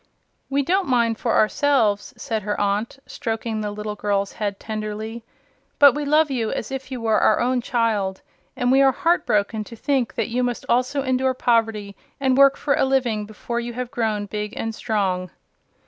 "We don't mind for ourselves," said her aunt, stroking the little girl's head tenderly; "but we love you as if you were our own child, and we are heart broken to think that you must also endure poverty, and work for a living before you have grown big and strong."